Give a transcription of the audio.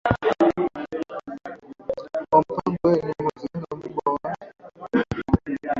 wa mpango wewe ni uwezekano mkubwa wa kuwa